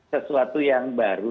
sesuatu yang baru